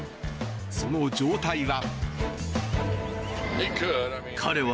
その状態は。